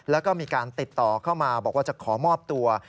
แล้วก็มีการติดต่อเข้ามาบอกว่าจะขอมอบตัว